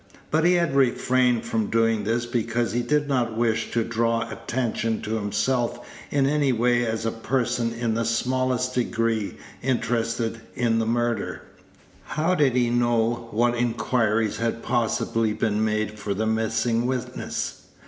But he had refrained from doing this because he did not wish to draw attention to himself in any way as a person in the smallest degree interested in the murder. How did he know what inquiries had possibly been made for the missing witness?